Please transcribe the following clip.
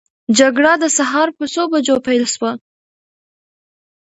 جګړه د سهار په څو بجو پیل سوه؟